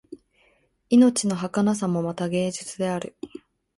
命のはかなさもまた芸術である